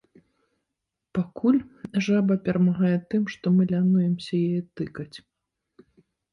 Пакуль жаба перамагае тым, што мы лянуемся яе тыкаць.